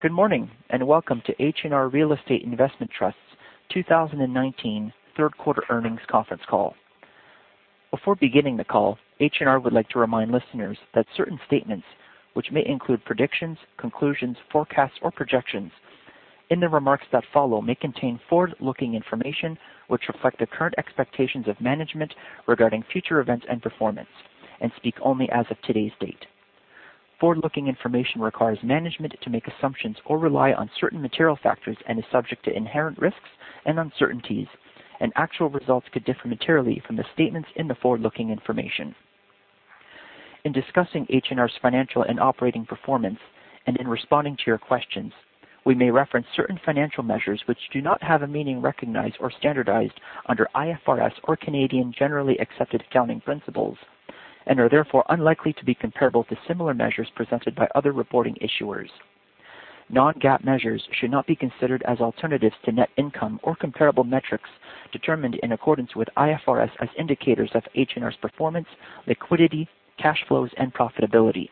Good morning, and welcome to H&R Real Estate Investment Trust's 2019 third quarter earnings conference call. Before beginning the call, H&R would like to remind listeners that certain statements which may include predictions, conclusions, forecasts, or projections in the remarks that follow may contain forward-looking information which reflect the current expectations of management regarding future events and performance, and speak only as of today's date. Forward-looking information requires management to make assumptions or rely on certain material factors and is subject to inherent risks and uncertainties, and actual results could differ materially from the statements in the forward-looking information. In discussing H&R's financial and operating performance, and in responding to your questions, we may reference certain financial measures which do not have a meaning recognized or standardized under IFRS or Canadian generally accepted accounting principles, and are therefore unlikely to be comparable to similar measures presented by other reporting issuers. Non-GAAP measures should not be considered as alternatives to net income or comparable metrics determined in accordance with IFRS as indicators of H&R's performance, liquidity, cash flows, and profitability.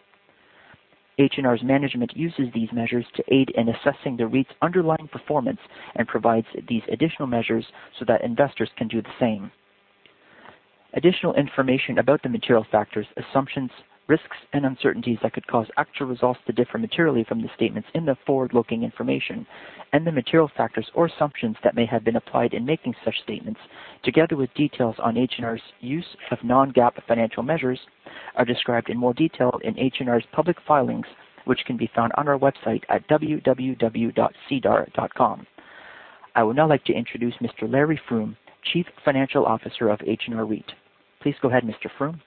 H&R's management uses these measures to aid in assessing the REIT's underlying performance and provides these additional measures so that investors can do the same. Additional information about the material factors, assumptions, risks, and uncertainties that could cause actual results to differ materially from the statements in the forward-looking information and the material factors or assumptions that may have been applied in making such statements, together with details on H&R's use of non-GAAP financial measures, are described in more detail in H&R's public filings, which can be found on our website at www.sedar.com. I would now like to introduce Mr. Larry Froom, Chief Financial Officer of H&R REIT. Please go ahead, Mr. Froom.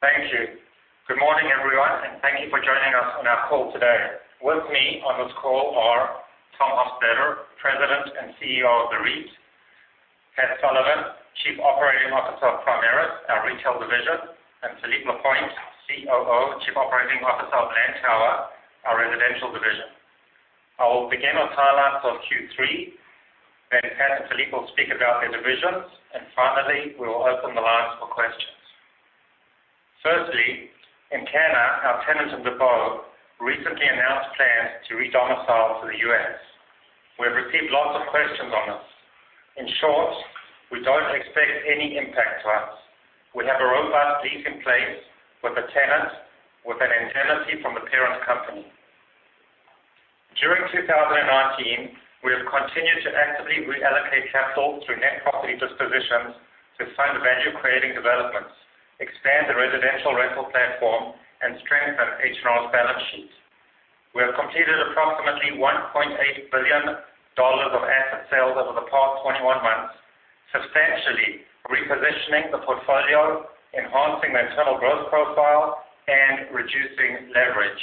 Thank you. Good morning, everyone, and thank you for joining us on our call today. With me on this call are Tom Hofstedter, President and CEO of the REIT, Pat Sullivan, Chief Operating Officer of Primaris, our retail division, and Philippe LaPointe, COO, Chief Operating Officer of Lantower, our residential division. I will begin with highlights of Q3, then Pat and Philippe will speak about their divisions, and finally, we will open the lines for questions. Firstly, Encana, our tenant of The Bow, recently announced plans to redomicile to the U.S. We have received lots of questions on this. In short, we don't expect any impact to us. We have a robust lease in place with the tenant with an indemnity from the parent company. During 2019, we have continued to actively reallocate capital through net property dispositions to fund value-creating developments, expand the residential rental platform, and strengthen H&R's balance sheet. We have completed approximately 1.8 billion dollars of asset sales over the past 21 months, substantially repositioning the portfolio, enhancing the internal growth profile, and reducing leverage.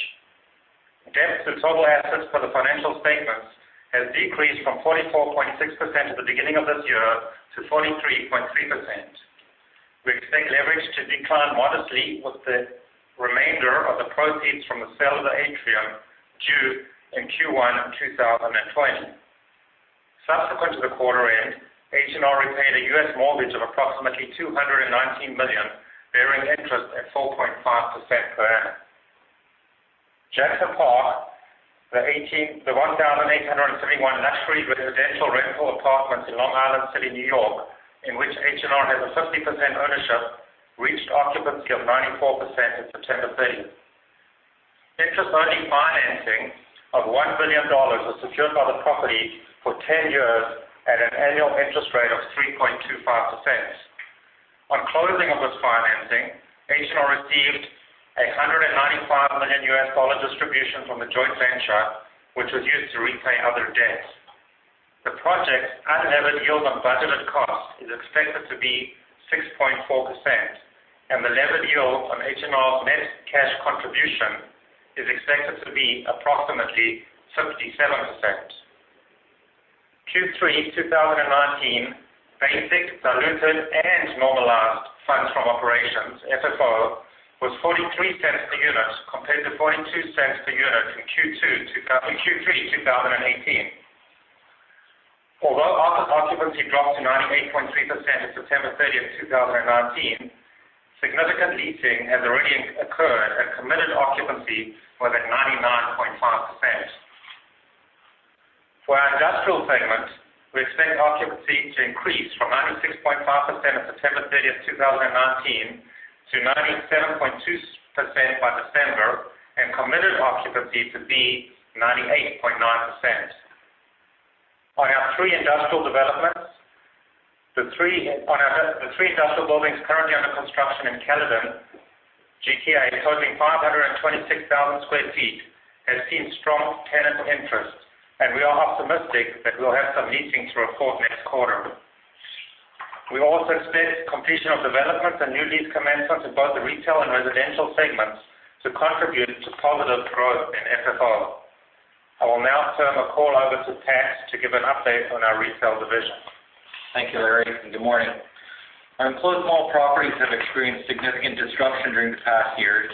Debt to total assets for the financial statements has decreased from 44.6% at the beginning of this year to 43.3%. We expect leverage to decline modestly with the remainder of the proceeds from the sale of the Atrium due in Q1 2020. Subsequent to the quarter end, H&R repaid a US mortgage of approximately $219 million, bearing interest at 4.5% per annum. Jackson Park, the 1,871 luxury residential rental apartments in Long Island City, N.Y., in which H&R has a 50% ownership, reached occupancy of 94% at September 30th. Interest-only financing of 1 billion dollars was secured by the property for 10 years at an annual interest rate of 3.25%. On closing of this financing, H&R received a 195 million US dollar distribution from the joint venture, which was used to repay other debts. The project's unlevered yield on budgeted cost is expected to be 6.4%, and the levered yield on H&R's net cash contribution is expected to be approximately 57%. Q3 2019 basic, diluted, and normalized funds from operations, FFO, was 0.43 per unit, compared to 0.42 per unit in Q3 2018. Although office occupancy dropped to 98.3% at September 30, 2019, significant leasing has already occurred, and committed occupancy was at 99.5%. For our industrial segment, we expect occupancy to increase from 96.5% at September 30, 2019 to 97.2% by December and committed occupancy to be 98.9%. On our three industrial developments, the three industrial buildings currently under construction in Caledon, GTA, totaling 526,000 sq ft, has seen strong tenant interest, and we are optimistic that we'll have some leasing to report next quarter. We also expect completion of developments and new lease commencements in both the retail and residential segments to contribute to positive growth in FFO. I will now turn the call over to Pat to give an update on our retail division. Thank you, Larry. Good morning. Our enclosed mall properties have experienced significant disruption during the past year,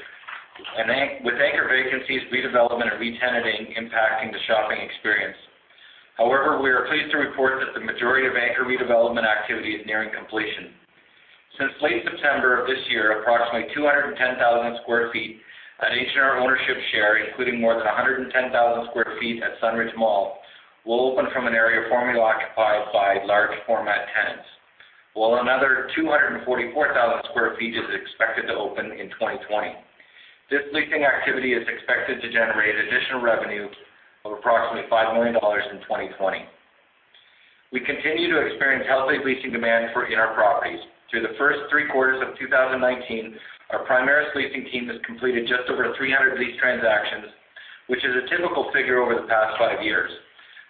with anchor vacancies, redevelopment, and retenanting impacting the shopping experience. However, we are pleased to report that the majority of anchor redevelopment activity is nearing completion. Since late September of this year, approximately 210,000 sq ft at H&R ownership share, including more than 110,000 sq ft at Sunridge Mall, will open from an area formerly occupied by large format tenants, while another 244,000 sq ft is expected to open in 2020. This leasing activity is expected to generate additional revenue of approximately 5 million dollars in 2020. We continue to experience healthy leasing demand for in our properties. Through the first three quarters of 2019, our Primaris leasing team has completed just over 300 lease transactions, which is a typical figure over the past five years.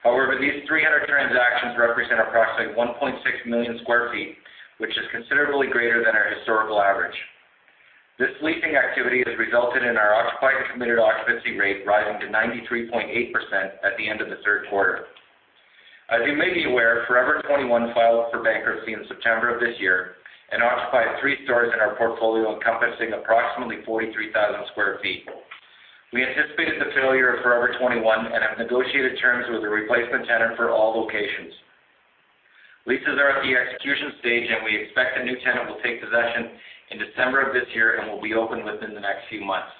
However, these 300 transactions represent approximately 1.6 million sq ft, which is considerably greater than our historical average. This leasing activity has resulted in our occupied and committed occupancy rate rising to 93.8% at the end of the third quarter. As you may be aware, Forever 21 filed for bankruptcy in September of this year and occupied three stores in our portfolio, encompassing approximately 43,000 sq ft. We anticipated the failure of Forever 21 and have negotiated terms with a replacement tenant for all locations. Leases are at the execution stage, and we expect the new tenant will take possession in December of this year and will be open within the next few months.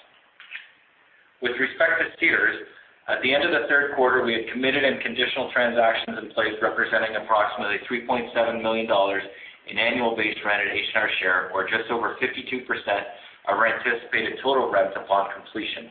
With respect to Sears, at the end of the third quarter, we had committed and conditional transactions in place representing approximately 3.7 million dollars in annual base rent at H&R share, or just over 52% of rent anticipated total rents upon completion.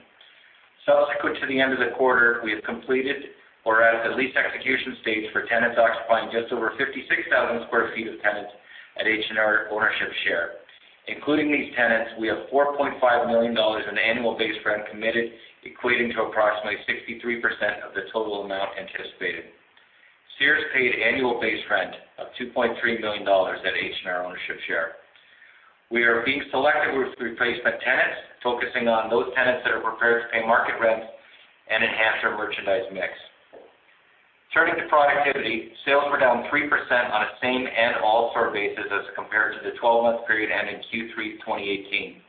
Subsequent to the end of the quarter, we have completed or at the lease execution stage for tenants occupying just over 56,000 sq ft of tenants at H&R ownership share. Including these tenants, we have 4.5 million dollars in annual base rent committed, equating to approximately 63% of the total amount anticipated. Sears paid annual base rent of 2.3 million dollars at H&R ownership share. We are being selective with replacement tenants, focusing on those tenants that are prepared to pay market rents and enhance our merchandise mix. Turning to productivity, sales were down 3% on a same and all store basis as compared to the 12-month period ending Q3 2018.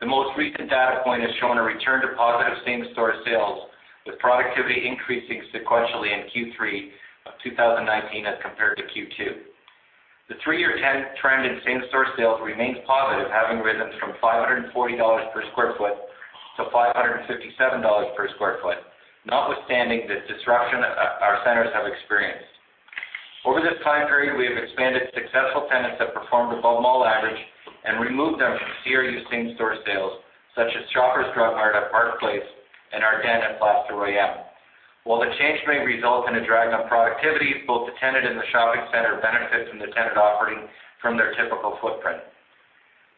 The most recent data point has shown a return to positive same-store sales, with productivity increasing sequentially in Q3 2019 as compared to Q2. The three-year trend in same-store sales remains positive, having risen from 540 dollars per sq ft to 557 dollars per sq ft, notwithstanding the disruption our centers have experienced. Over this time period, we have expanded successful tenants that performed above mall average and removed them from Sears' same-store sales, such as Shoppers Drug Mart at Park Place and Ardene at Place Rosemère. While the change may result in a drag on productivity, both the tenant and the shopping center benefit from the tenant operating from their typical footprint.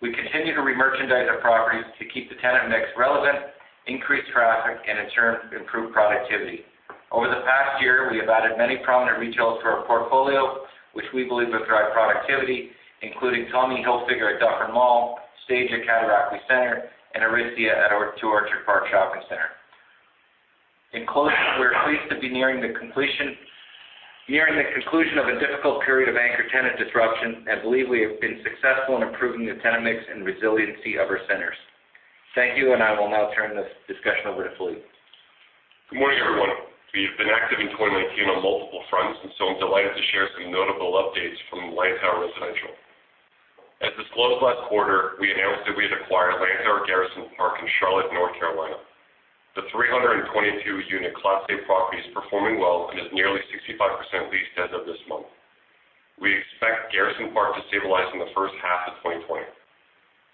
We continue to remerchandise our properties to keep the tenant mix relevant, increase traffic, and in turn, improve productivity. Over the past year, we have added many prominent retailers to our portfolio, which we believe will drive productivity, including Tommy Hilfiger at Dufferin Mall, Stage at Cataraqui Centre, and Aritzia at Orchard Park Shopping Centre. In closing, we're pleased to be nearing the conclusion of a difficult period of anchor tenant disruption and believe we have been successful in improving the tenant mix and resiliency of our centers. Thank you, and I will now turn this discussion over to Philippe. Good morning, everyone. We've been active in 2019 on multiple fronts, I'm delighted to share some notable updates from Lantower Residential. As disclosed last quarter, we announced that we had acquired Lantower Garrison Park in Charlotte, North Carolina. The 322-unit Class A property is performing well and is nearly 65% leased as of this month. We expect Garrison Park to stabilize in the first half of 2020.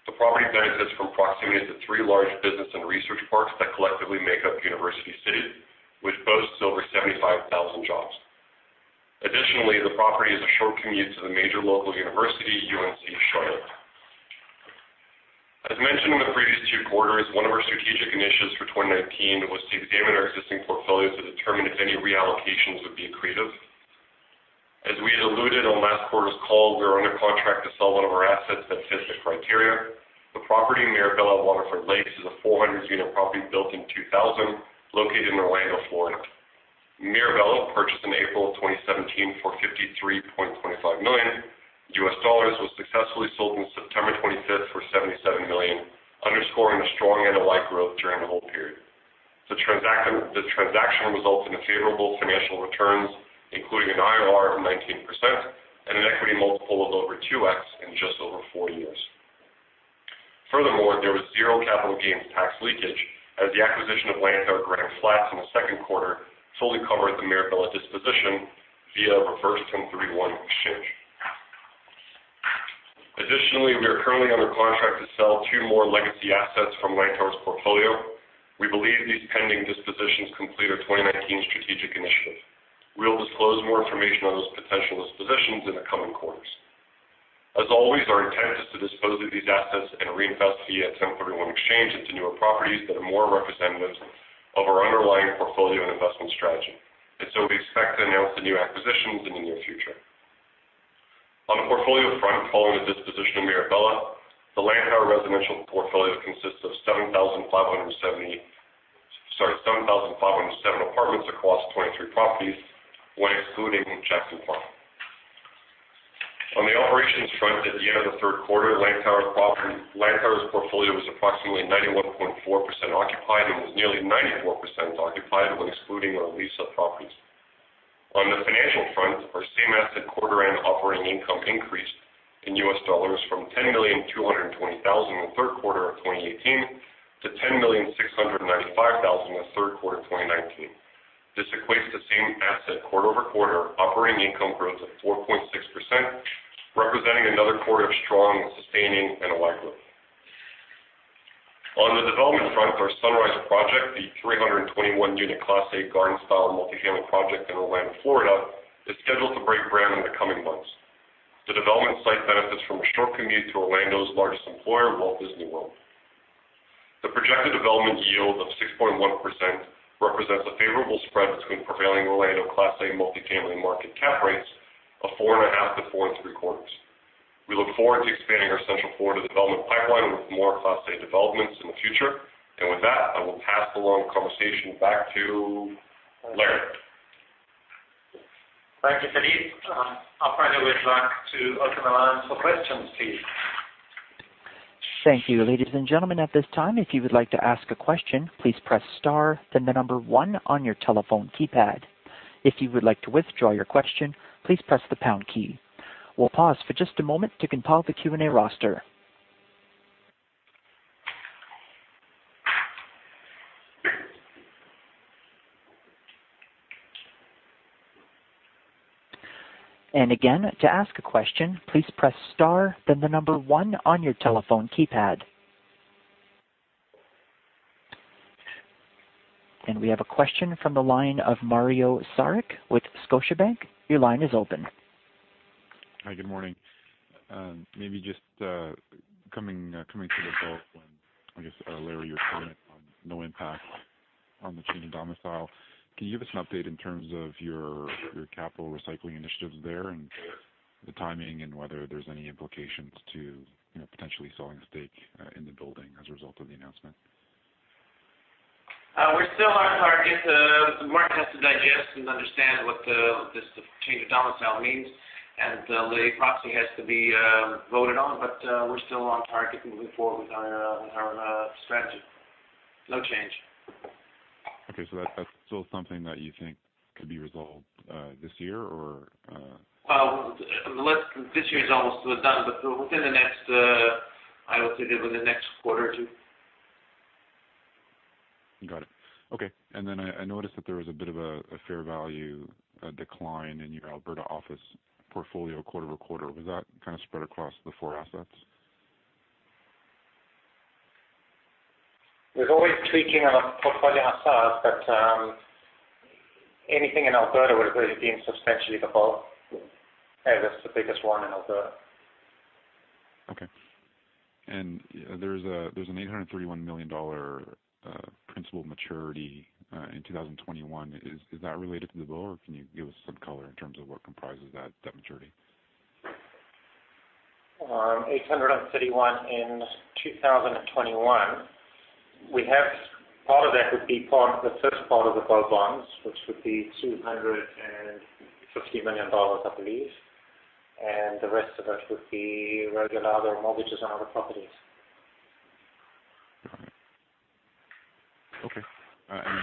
The property benefits from proximity to three large business and research parks that collectively make up University City, which boasts over 75,000 jobs. Additionally, the property is a short commute to the major local university, UNC Charlotte. As mentioned in the previous two quarters, one of our strategic initiatives for 2019 was to examine our existing portfolio to determine if any reallocations would be accretive. As we had alluded on last quarter's call, we are under contract to sell one of our assets that fits the criteria. The property, Mirabella at Waterford Lakes, is a 400-unit property built in 2000, located in Orlando, Florida. Mirabella, purchased in April of 2017 for $53.25 million was successfully sold on September 25th for $77 million, underscoring the strong NOI growth during the hold period. The transaction results in favorable financial returns, including an IRR of 19% and an equity multiple of over 2x in just over four years. Furthermore, there was zero capital gains tax leakage as the acquisition of Lantower Grande Flats in the second quarter fully covered the Mirabella disposition via a reverse 1031 exchange. Additionally, we are currently under contract to sell two more legacy assets from Lantower portfolio. We believe these pending dispositions complete our 2019 strategic initiative. We'll disclose more information on those potential dispositions in the coming quarters. As always, our intent is to dispose of these assets and reinvest via 1031 exchange into newer properties that are more representative of our underlying portfolio and investment strategy. We expect to announce the new acquisitions in the near future. On the portfolio front, following the disposition of Mirabella, the Lantower Residential portfolio consists of 7,507 apartments across 23 properties when excluding Jackson Park. On the operations front, at the end of the third quarter. It was approximately 91.4% occupied, and was nearly 94% occupied when excluding our lease-up properties. On the financial front, our same asset quarter and operating income increased in US dollars from $10,220,000 in the third quarter of 2018 to $10,695,000 in the third quarter of 2019. This equates to same asset quarter-over-quarter operating income growth of 4.6%, representing another quarter of strong, sustaining NOI growth. On the development front, our Sunrise, the 321-unit Class A garden-style multifamily project in Orlando, Florida, is scheduled to break ground in the coming months. The development site benefits from a short commute to Orlando's largest employer, Walt Disney World. The projected development yield of 6.1% represents a favorable spread between prevailing Orlando Class A multifamily market cap rates of 4.5%-4.75%. We look forward to expanding our Central Florida development pipeline with more Class A developments in the future. With that, I will pass the conversation back to Larry. Thank you, Philippe. I'll probably go back to open the line for questions, please. Thank you. Ladies and gentlemen, at this time, if you would like to ask a question, please press star then the number 1 on your telephone keypad. If you would like to withdraw your question, please press the pound key. We'll pause for just a moment to compile the Q&A roster. Again, to ask a question, please press star then the number 1 on your telephone keypad. We have a question from the line of Mario Saric with Scotiabank. Your line is open. Hi, good morning. Maybe just coming to The Bow when, I guess, Larry, your comment on no impact on the change in domicile. Can you give us an update in terms of your capital recycling initiatives there and the timing and whether there's any implications to potentially selling a stake in the building as a result of the announcement? We're still on target. The market has to digest and understand what this change of domicile means, and the proxy has to be voted on. We're still on target and moving forward with our strategy. No change. Okay. That's still something that you think could be resolved this year or? Well, this year is almost done, but within the next, I would say, within the next quarter or two. Got it. Okay. Then I noticed that there was a bit of a fair value decline in your Alberta office portfolio quarter-over-quarter. Was that kind of spread across the four assets? There's always tweaking on a portfolio asset, but anything in Alberta would really be in substantially The Bow as it's the biggest one in Alberta. Okay. There's a 831 million dollar principal maturity in 2021. Is that related to The Bow, or can you give us some color in terms of what comprises that maturity? CAD 831 in 2021. Part of that would be the first part of The Bow bonds, which would be 250 million dollars, I believe. The rest of it would be regular other mortgages on other properties. Okay.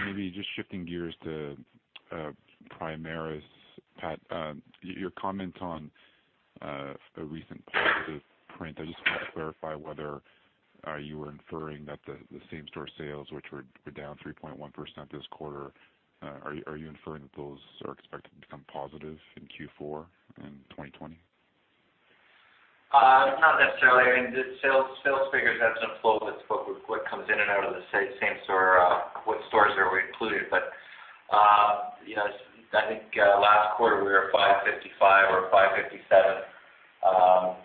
Maybe just shifting gears to Primaris. Pat, your comment on a recent positive print. I just wanted to clarify whether you were inferring that the same-store sales, which were down 3.1% this quarter, are you inferring that those are expected to become positive in Q4 in 2020? Not necessarily. The sales figures have some flow with what comes in and out of the same-store, what stores are included. I think last quarter we were 555 or 557.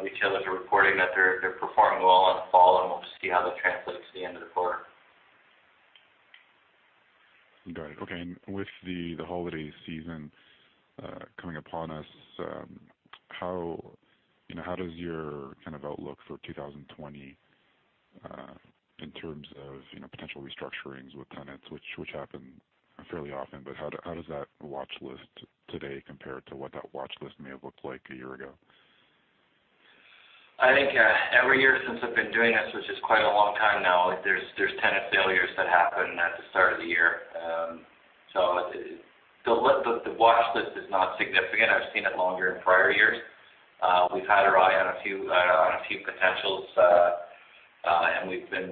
So far, retailers are reporting that they're performing well in the fall, and we'll see how that translates to the end of the quarter. Got it. Okay. With the holiday season coming upon us, how does your outlook for 2020 in terms of potential restructurings with tenants, which happen fairly often, but how does that watchlist today compare to what that watchlist may have looked like a year ago? I think every year since I've been doing this, which is quite a long time now, there's tenant failures that happen at the start of the year. The watchlist is not significant. I've seen it longer in prior years. We've had our eye on a few potentials, and we've been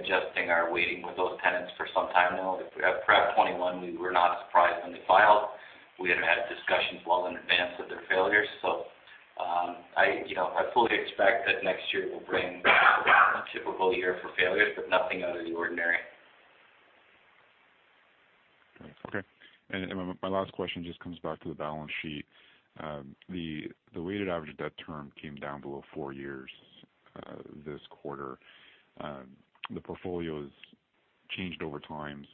adjusting our waiting with those tenants for some time now. At Forever 21, we were not surprised when they filed. We had had discussions well in advance of their failure. I fully expect that next year will bring a typical year for failures, but nothing out of the ordinary. Okay. My last question just comes back to the balance sheet. The weighted average debt term came down below four years this quarter. The portfolio's changed over time.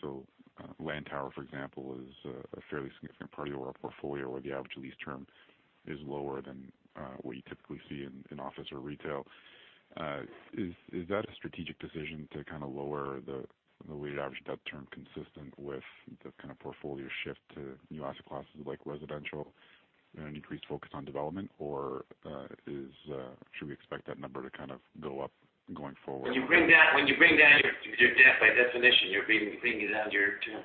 Lantower, for example, is a fairly significant part of our portfolio where the average lease term is lower than what you typically see in office or retail. Is that a strategic decision to kind of lower the weighted average debt term consistent with the kind of portfolio shift to new asset classes like residential? An increased focus on development? Should we expect that number to go up going forward? When you bring down your debt, by definition, you're bringing down your term.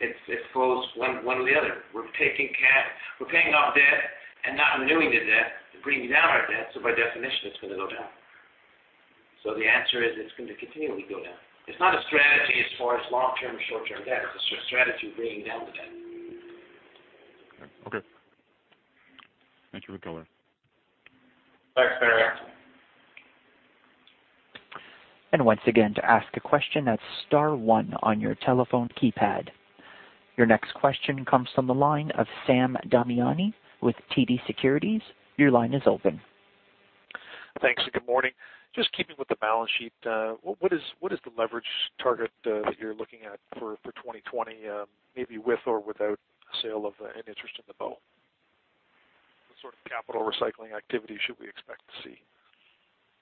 It's one or the other. We're paying off debt and not renewing the debt to bring down our debt. By definition, it's going to go down. The answer is it's going to continually go down. It's not a strategy as far as long-term or short-term debt. It's a strategy of bringing down the debt. Okay. Thank you for the color. Thanks, Mario. Once again, to ask a question, that's star one on your telephone keypad. Your next question comes from the line of Sam Damiani with TD Securities. Your line is open. Thanks, and good morning. Just keeping with the balance sheet, what is the leverage target that you're looking at for 2020, maybe with or without a sale of an interest in The Bow? What sort of capital recycling activity should we expect to see?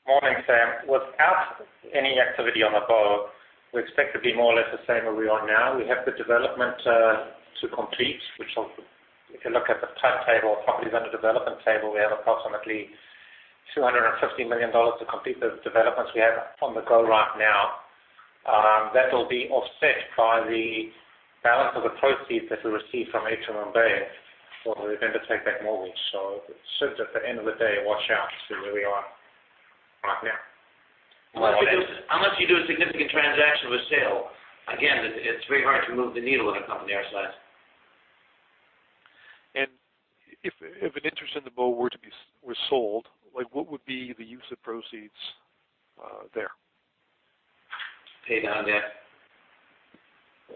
Morning, Sam. Without any activity on The Bow, we expect to be more or less the same where we are now. We have the development to complete. If you look at the timetable of properties under development table, we have approximately 250 million dollars to complete the developments we have on the go right now. That will be offset by the balance of the proceeds that we received from H&R Bay for the vendor take-back mortgage. It should, at the end of the day, wash out to where we are right now. Unless you do a significant transaction with sale, again, it's very hard to move the needle in a company our size. If an interest in The Bow were sold, what would be the use of proceeds there? Pay down debt.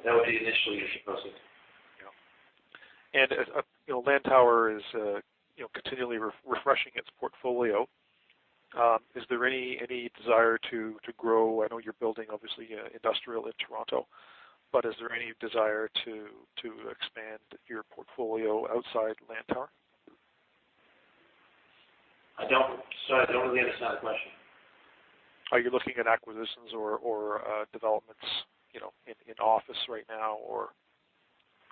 That would be the initial use of proceeds. Yeah. Lantower is continually refreshing its portfolio. Is there any desire to grow? I know you're building, obviously, industrial in Toronto. Is there any desire to expand your portfolio outside Lantower? Sorry, I don't really understand the question. Are you looking at acquisitions or developments in office right now or?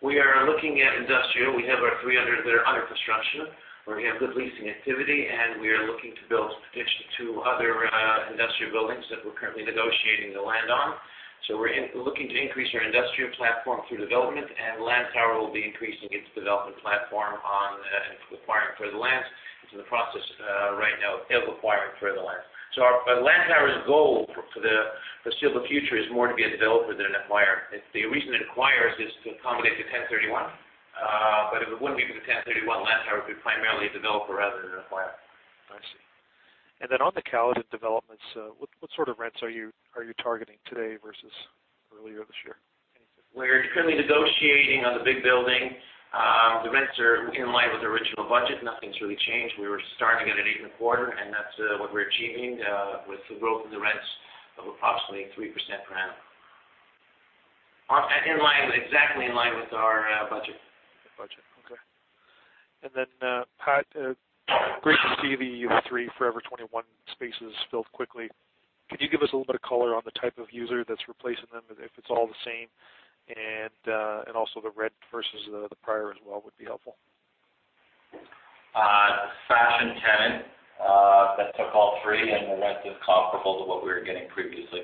We are looking at industrial. We have our 300 that are under construction, where we have good leasing activity, and we are looking to build an additional two other industrial buildings that we're currently negotiating the land on. We're looking to increase our industrial platform through development, and Lantower will be increasing its development platform on acquiring further lands. It's in the process right now of acquiring further land. Lantower's goal for the foreseeable future is more to be a developer than an acquirer. The reason it acquires is to accommodate the 1031. If it wouldn't be for the 1031, Lantower would be primarily a developer rather than an acquirer. I see. On the Caledon developments, what sort of rents are you targeting today versus earlier this year? We're currently negotiating on the big building. The rents are in line with original budget. Nothing's really changed. We were starting at an eight and a quarter, and that's what we're achieving with the growth in the rents of approximately 3% per annum. Exactly in line with our budget. Budget. Okay. Pat, great to see the three Forever 21 spaces filled quickly. Could you give us a little bit of color on the type of user that's replacing them, if it's all the same, and also the rent versus the prior as well would be helpful. Fashion tenant that took all three, and the rent is comparable to what we were getting previously.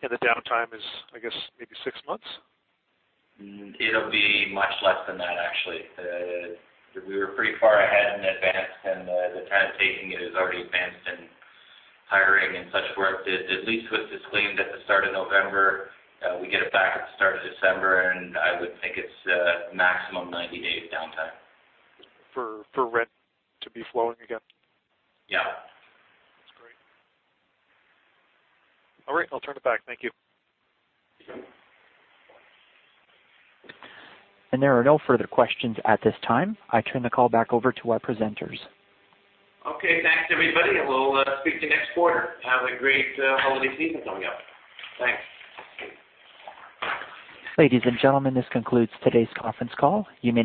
The downtime is, I guess, maybe six months? It'll be much less than that, actually. We were pretty far ahead and advanced, and the tenant taking it is already advanced in hiring and such where the lease was disclaimed at the start of November. We get it back at the start of December, and I would think it's maximum 90 days downtime. For rent to be flowing again? Yeah. That's great. All right. I'll turn it back. Thank you. There are no further questions at this time. I turn the call back over to our presenters. Okay. Thanks, everybody. We'll speak to you next quarter. Have a great holiday season coming up. Thanks. Ladies and gentlemen, this concludes today's conference call.